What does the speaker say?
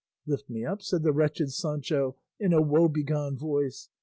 "Lift me up," said the wretched Sancho in a woebegone voice.